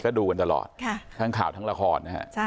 ก็ดูกันตลอดทั้งข่าวทั้งละครนะฮะ